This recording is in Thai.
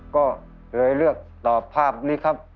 ก็เลยเลือกตอบภาพนี้ครับ